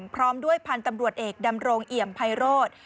พร้อมด้วยพันธุ์ตำรวจเอกดำรงเอี่ยมไพโรธ